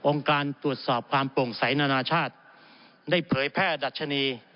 การตรวจสอบความโปร่งใสนานาชาติได้เผยแพร่ดัชนี